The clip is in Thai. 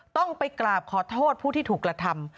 ต้องไปกราบขอโทษผู้ที่ถูกกระทำ